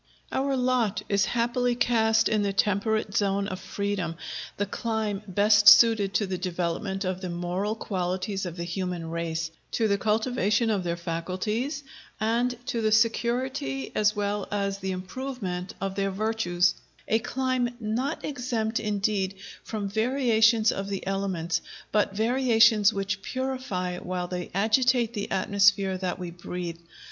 Our lot is happily cast in the temperate zone of freedom, the clime best suited to the development of the moral qualities of the human race, to the cultivation of their faculties, and to the security as well as the improvement of their virtues; a clime not exempt, indeed, from variations of the elements, but variations which purify while they agitate the atmosphere that we breathe.